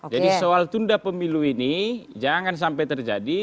jadi soal tunda pemilu ini jangan sampai terjadi